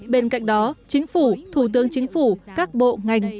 bên cạnh đó chính phủ thủ tướng chính phủ các bộ ngành